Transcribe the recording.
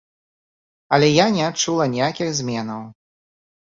Але я не адчула ніякіх зменаў.